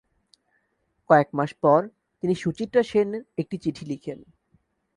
কয়েকমাস পরে তিনি সুচিত্রা সেন একটি চিঠি লেখেন।